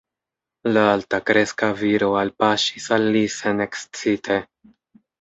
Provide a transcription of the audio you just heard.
La altakreska viro alpaŝis al li senekscite.